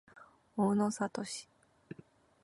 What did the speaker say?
大野智